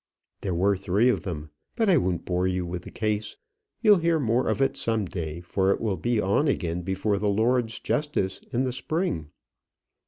There were three of them. But I won't bore you with the case. You'll hear more of it some day, for it will be on again before the lords justices in the spring."